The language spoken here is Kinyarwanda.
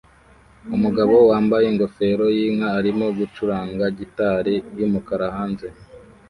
Umugabo wambaye ingofero yinka arimo gucuranga gitari yumukara hanze